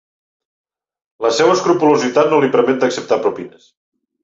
La seva escrupolositat no li permet d'acceptar propines.